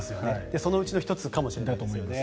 そのうちの１つかもしれないですね。